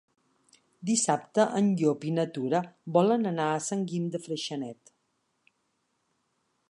Dissabte en Llop i na Tura volen anar a Sant Guim de Freixenet.